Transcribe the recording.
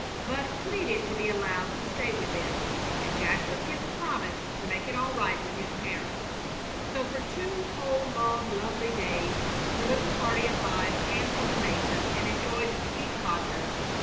Bud pleaded to be allowed to stay with them, and Jasper Kemp promised to make it all right with his parents. So for two whole, long, lovely days the little party of five camped on the mesa and enjoyed sweet converse.